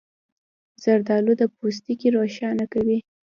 زردالو د پوستکي روښانه کوي.